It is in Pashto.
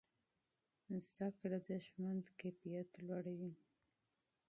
زده کړه د ژوند کیفیت لوړوي.